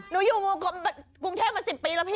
หนูอยู่กรุงเทพมา๑๐ปีแล้วพี่